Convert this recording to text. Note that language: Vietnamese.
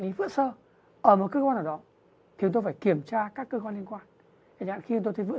lý vữa sơ ở một cơ quan nào đó thì chúng tôi phải kiểm tra các cơ quan liên quan thì khi tôi thấy vữa